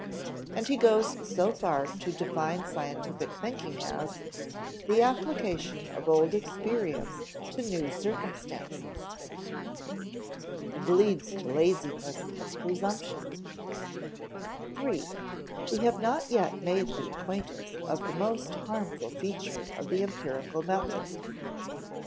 And he goes so far as to define scientific thinking as "the application of old experience to new circumstances." [Sidenote: and leads to laziness and presumption,] 3. We have not yet made the acquaintance of the most harmful feature of the empirical method.